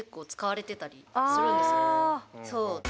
そう。